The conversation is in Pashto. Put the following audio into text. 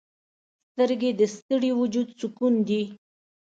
سترګې د ستړي وجود سکون دي